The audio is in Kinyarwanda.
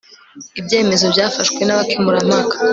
ibyemezo byafashwe n abakemurampaka